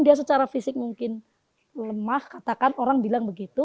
dia secara fisik mungkin lemah katakan orangnya